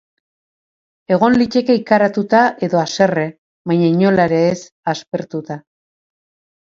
Egon liteke ikaratuta, edo haserre, baina inola ere ez aspertuta.